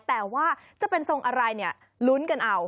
แต่ว่าจะเป็นทรงอะไรเนี่ยลุ้นกันเอา